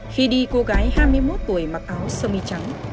khi đi cô gái hai mươi một tuổi mặc áo sơ mi trắng